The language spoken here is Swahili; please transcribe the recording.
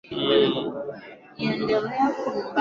siku ya jumatano maharamia hao wa kisomali